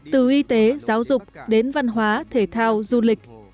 từ y tế giáo dục đến văn hóa thể thao du lịch